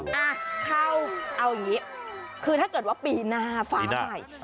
อ่ะเข้าเอาอย่างนี้คือถ้าเกิดว่าปีหน้าฟ้าใหม่